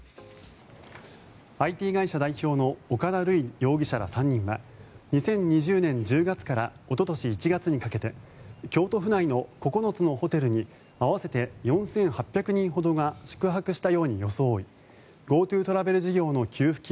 ＩＴ会社代表の岡田塁容疑者ら３人は２０２０年１０月からおととし１月にかけて京都府内の９つのホテルに合わせて４８００人ほどが宿泊したように装いＧｏＴｏトラベル事業の給付金